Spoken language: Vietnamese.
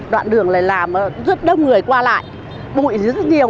đoạn đường này làm rất đông người qua lại bụi dưới rất nhiều